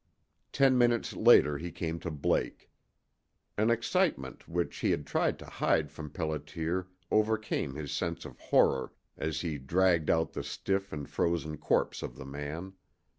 Ten minutes later he came to Blake. An excitement which he had tried to hide from Pelliter overcame his sense of horror as he dragged out the stiff and frozen corpse of the man.